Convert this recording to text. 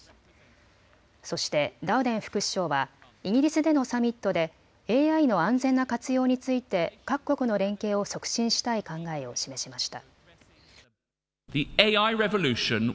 そしてダウデン副首相はイギリスでのサミットでＡＩの安全な活用について各国の連携を促進したい考えを示しました。